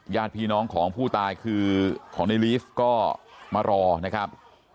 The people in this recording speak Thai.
ญาติพี่น้องของผู้ตายคือของในลีฟก็มารอนะครับ